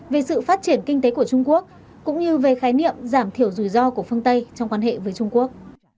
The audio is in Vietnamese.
về sự phát triển kinh tế của trung quốc cũng như về khái niệm giảm thiểu rủi ro của phương tây trong quan hệ với trung quốc